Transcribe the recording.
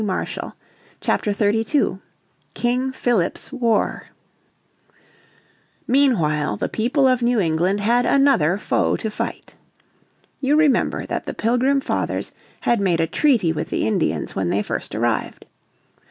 __________ Chapter 32 King Philip's War Meanwhile the people of New England had another foe to fight. You remember that the Pilgrim Fathers had made a treaty with the Indians when they first arrived.